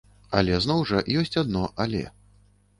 Але зноў жа ёсць адно але.